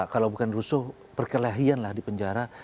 kalau bukan rusuh perkelahian lah di penjara